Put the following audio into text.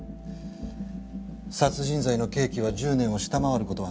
殺人罪の刑期は１０年を下回る事はないでしょう。